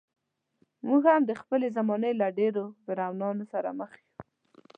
موږ هم د خپلې زمانې له ډېرو فرعونانو سره مخ یو.